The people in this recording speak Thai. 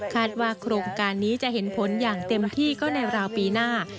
ว่าโครงการนี้จะเห็นผลอย่างเต็มที่ก็ในราวปีหน้า